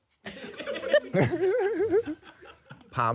อืม